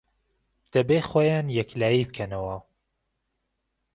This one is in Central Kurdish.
دەبێ خۆیان یەکلایی بکەنەوە